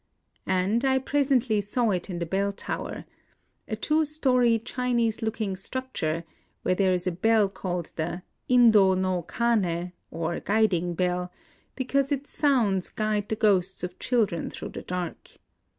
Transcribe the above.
And I pres ently saw it in the bell tower, — a two story Chinese looking structure, where there is a bell called the Indo no Kane, or Guiding Bell, because its sounds guide the ghosts of chil dren through the dark.